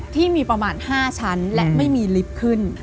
ที่มีประมาณ๕ชั้นและไม่มีลิฟต์ขึ้น